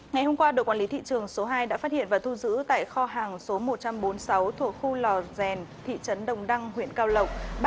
ngày hôm qua đội quản lý thị trường số hai đã phát hiện và thu giữ tại kho hàng số một trăm bốn mươi sáu thuộc khu lò rèn thị trấn đồng đăng huyện cao lộc